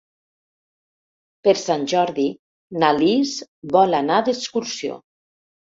Per Sant Jordi na Lis vol anar d'excursió.